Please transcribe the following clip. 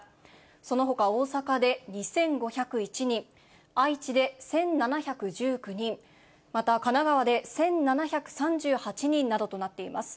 そのほか大阪で２５０１人、愛知で１７１９人、また神奈川で１７３８人などとなっています。